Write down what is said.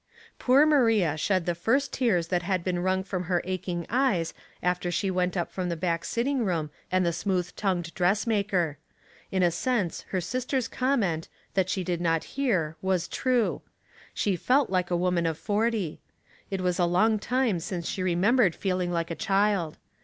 Poor Maria shed the first tears that had been wi'ung from her aching eyes after she went up from the back sitting room and the smooth tongued dressmaker. In a sense her sister's com ment, that she did not hear, was true. She felfc like a woman of forty. It was a long time since she remembered feeling like a child.